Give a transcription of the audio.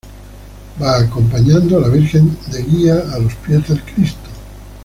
Va acompañando a la Virgen de Guía a los pies del Cristo.